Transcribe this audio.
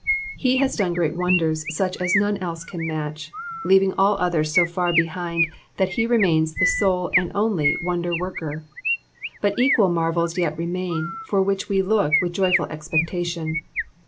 He has done great wonders such as none else can match, leaving all others so far behind, that he remains the sole and only wonder worker ; but equal marvels yet remain, for which we look with joyful expectation.